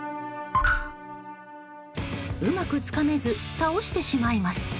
うまくつかめず倒してしまいます。